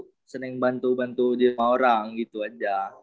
mungkin yang bantu bantu di rumah orang gitu aja